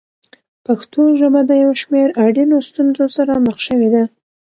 پښتو ژبه د یو شمېر اړینو ستونزو سره مخ شوې ده.